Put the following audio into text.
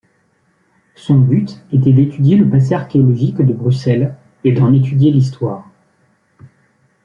Son but était d'étudier le passé archéologique de Bruxelles et d'en étudier l'histoire.